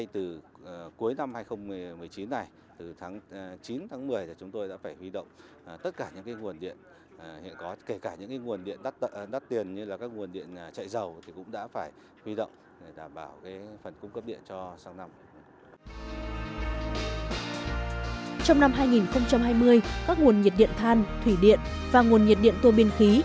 trong năm hai nghìn hai mươi các nguồn nhiệt điện than thủy điện và nguồn nhiệt điện tô biên khí